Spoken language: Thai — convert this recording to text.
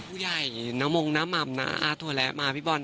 ผู้ใหญ่น้ำมงค์น้ำหมับน้าทั่วแร้มาพี่บอล